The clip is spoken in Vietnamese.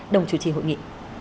đồng chủ trì hội nghị